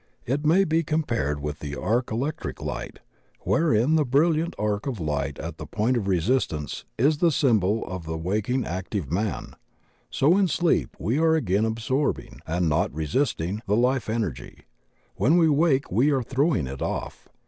It may be com pared with the arc electric light wherein the brilliant arc of light at the point of resistance is the symbol of the waking active man. So in sleep we are again absorb ing and not resisting the Life Energy; when we wake we are throwing it off.